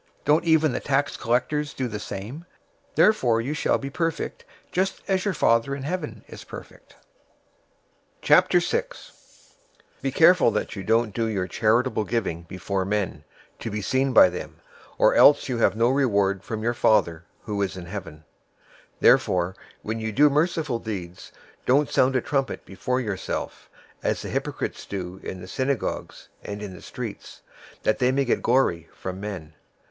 Don't even the tax collectors do the same? 005:048 Therefore you shall be perfect, just as your Father in heaven is perfect. 006:001 "Be careful that you don't do your charitable giving before men, to be seen by them, or else you have no reward from your Father who is in heaven. 006:002 Therefore when you do merciful deeds, don't sound a trumpet before yourself, as the hypocrites do in the synagogues and in the streets, that they may get glory from men.